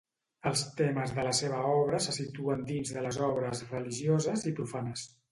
Els temes de la seva obra se situen dins de les obres religioses i profanes.